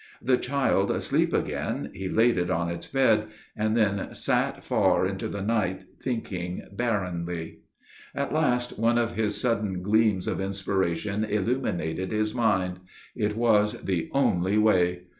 The child asleep again, he laid it on its bed, and then sat far into the night thinking barrenly. At last one of his sudden gleams of inspiration illuminated his mind. It was the only way.